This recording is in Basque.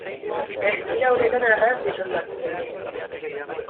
Ez dira uretan erraz disolbatzen.